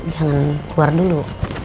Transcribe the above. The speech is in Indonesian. jangan keluar dulu